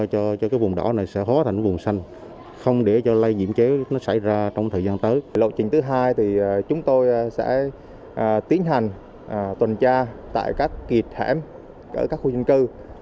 chúng tôi sẽ tiến hành tuần tra tại các kiệt hẻm ở các khu dân cư